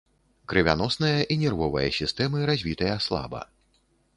Крывяносная і нервовая сістэмы развітыя слаба.